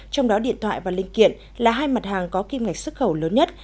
trong đó điện thoại và linh kiện là hai mặt hàng có kim ngạch xuất khẩu lớn nhất